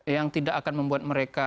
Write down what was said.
yang tidak akan membuat mereka